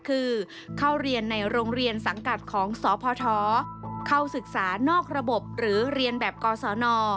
คือเข้าเรียนในโรงเรียนสังกัดของสพเข้าศึกษานอกระบบหรือเรียนแบบกศน